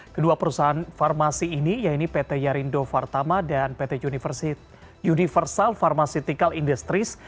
kedua perusahaan farmasi ini yaitu pt yarindo fartama dan pt universal pharmaceutical industries